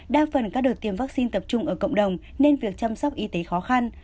đa phần các đợt tiêm vaccine tập trung ở cộng đồng nên việc chăm sóc y tế khó khăn